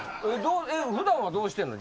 普段はどうしてんの？